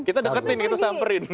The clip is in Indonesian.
kita deketin gitu tamrin